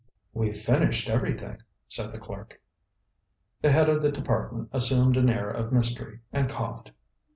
"We've finished everything," said the clerk. The Head of the Department assumed an air of mystery and coughed.